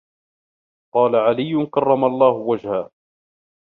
قَالَ عَلِيٌّ كَرَّمَ اللَّهُ وَجْهَهُ